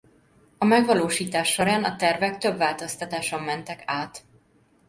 A megvalósítás során a tervek több változtatáson mentek át.